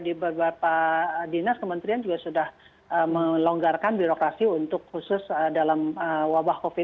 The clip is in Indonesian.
di beberapa dinas kementerian juga sudah melonggarkan birokrasi untuk khusus dalam wabah covid sembilan